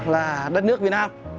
là đất nước việt nam